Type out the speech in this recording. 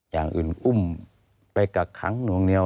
อย่างอื่นอุ้มไปกักขังหน่วงเหนียว